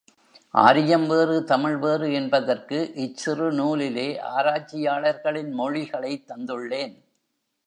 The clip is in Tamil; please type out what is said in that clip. ஆரியம் வேறு தமிழ் வேறு என்பதற்கு இச்சிறு நூலிலே ஆராய்ச்சியாளர்களின் மொழிகளைத் தந்துள்ளேன்.